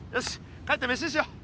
帰ってめしにしよう。